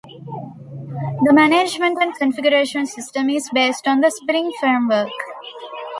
The management and configuration system is based on the Spring Framework.